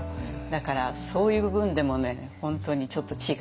だからそういう部分でもね本当にちょっと違う。